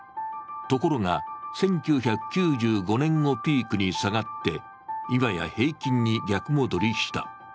ところが、１９９５年をピークに下がって、今や平均に逆戻りした。